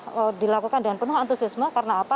kalau dilakukan dengan penuh antusiasme karena apa